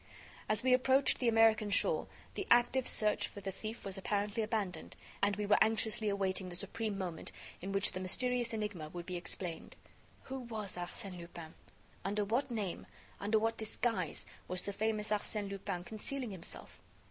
As we approached the American shore, the active search for the thief was apparently abandoned, and we were anxiously awaiting the supreme moment in which the mysterious enigma would be explained. Who was Arsène Lupin? Under what name, under what disguise was the famous Arsène Lupin concealing himself?